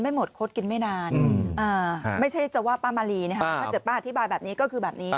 ไม่นานไม่ใช่จะว่าป้ามารีถ้าเกิดป้าอธิบายแบบนี้ก็คือแบบนี้